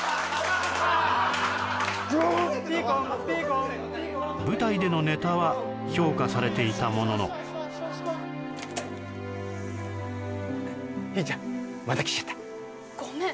ピーコンピーコンピーコン舞台でのネタは評価されていたもののヒーちゃんまた来ちゃったごめん